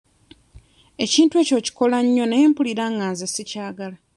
Ekintu ekyo okikola nnyo naye mpulira nga nze sikyagala.